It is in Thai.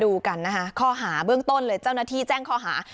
ดูกันนะคะข้อหาเบื้องต้นเลยเจ้าหน้าที่แจ้งข้อหา